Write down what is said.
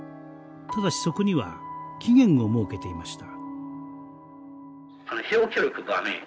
ただしそこには期限を設けていました。